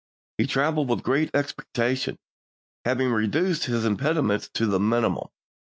He traveled with great expedi tion, having reduced his impediments to the mini mum.